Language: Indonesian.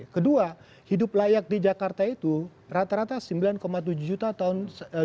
kedua hidup layak di jakarta itu rata rata sembilan tujuh juta tahun dua ribu